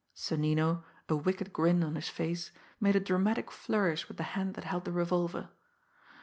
Sonnino, a wicked grin on his face, made a dramatic flourish with the hand that held the revolver.